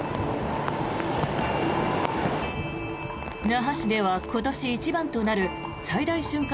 那覇市では今年一番となる最大瞬間